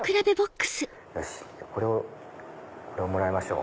よしこれをもらいましょう。